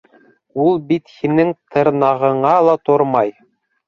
Ул бит һинең тырнағыңа ла тормай!